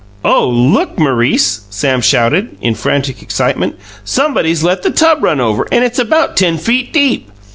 "Oh, look, Maurice!" Sam shouted, in frantic excitement. "Somebody's let the tub run over, and it's about ten feet deep!